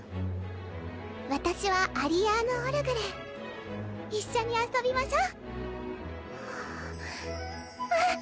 私はアリアーヌ＝オルグレン一緒に遊びましょう